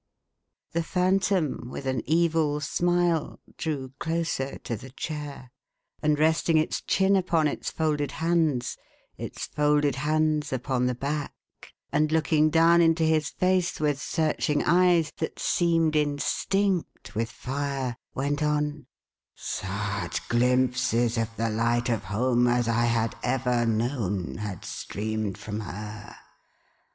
1' The Phantom, with an evil smile, drew closer to the chair, and resting its chin upon its folded hands, its folded hands upon the back, and looking down into his face with searching eyes, that seemed instinct with fire, went on : "Such glimpses of the light of home as I had ever known, had streamed from her.